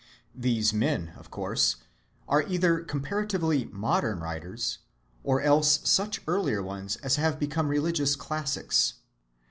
These men, of course, are either comparatively modern writers, or else such earlier ones as have become religious classics.